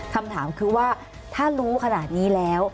คำถามคือว่าถ้ารู้ขนาดนี้แล้ว